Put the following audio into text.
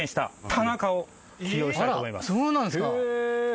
そうなんですか！